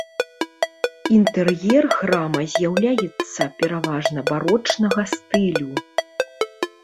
Інтэр'ер храма з'яўляецца пераважна барочнага стылю.